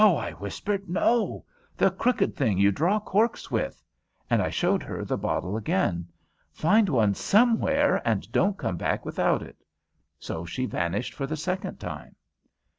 I whispered, "no. The crooked thing you draw corks with," and I showed her the bottle again. "Find one somewhere and don't come back without it." So she vanished for the second time.